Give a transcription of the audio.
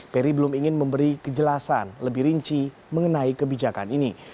peri belum ingin memberi kejelasan lebih rinci mengenai kebijakan ini